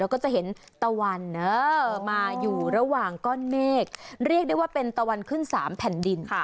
แล้วก็จะเห็นตะวันมาอยู่ระหว่างก้อนเมฆเรียกได้ว่าเป็นตะวันขึ้น๓แผ่นดิน